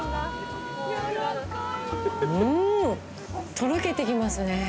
とろけてきますね。